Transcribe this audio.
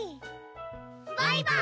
バイバーイ！